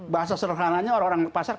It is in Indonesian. bahasa sederhananya orang orang pasar